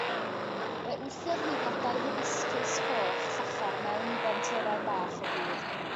Fe wthiodd hi flodau hibiscus coch llachar mewn i bentyrrau bach o bridd.